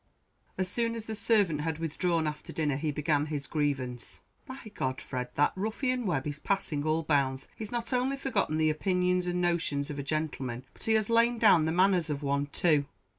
As soon as the servant had withdrawn after dinner he began his grievance. "By G d, Fred, that ruffian Webb is passing all bounds. He's not only forgotten the opinions and notions of a gentleman, but he has lain down the manners of one too."